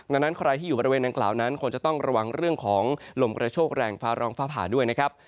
ดังนั้นใครที่อยู่บริเวณดังกล่าวนั้นควรจะต้องระวังเรื่องของลมกระโชคแรงฟ้าร้องฟ้าผ่าด้วยนะครับ